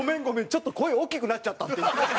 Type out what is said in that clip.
ちょっと声大きくなっちゃった」って。